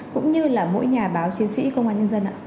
cũng như là mỗi nhà báo chiến sĩ công an nhân dân ạ